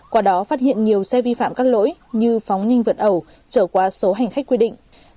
qua đó phát hiện nhiều xe vi phạm các lỗi như phóng nhanh vượt ẩu trở qua số hành khách quy định